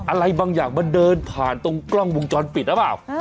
อะไรบางอย่างมันเดินผ่านตรงกล้องวงจรปิดหรือเปล่า